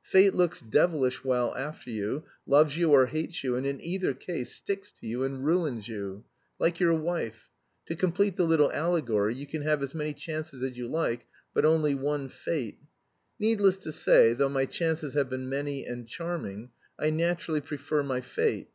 Fate looks devilish well after you, loves you or hates you, and in either case sticks to you and ruins you. Like your wife. To complete the little allegory, you can have as many chances as you like, but only one fate. Needless to say, though my chances have been many and charming, I naturally prefer my fate."